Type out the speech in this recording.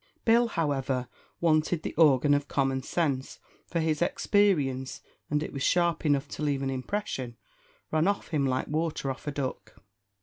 Bill, however, wanted the organ of common sense; for his experience and it was sharp enough to leave an impression ran off him like water off a duck.